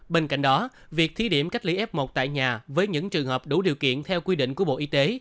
bên cạnh đó việc thí điểm cách ly f một tại nhà với những trường hợp đủ điều kiện theo quy định của bộ y tế